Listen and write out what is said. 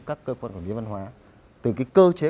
các cơ quan quản lý văn hóa từ cái cơ chế